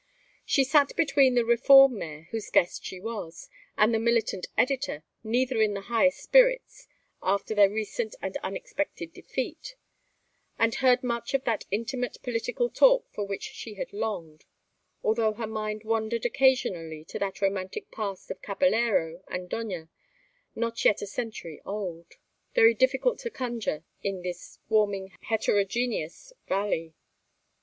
She sat between the "Reform Mayor," whose guest she was, and the "Militant Editor," neither in the highest spirits after their recent and unexpected defeat; and heard much of that intimate political talk for which she had longed, although her mind wandered occasionally to that romantic past of caballero and doña not yet a century old, very difficult to conjure in this swarming heterogeneous valley.